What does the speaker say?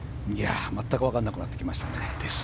全くわからなくなってきましたね。